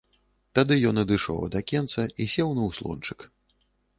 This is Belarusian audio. Тады ён адышоў ад акенца і сеў на ўслончык.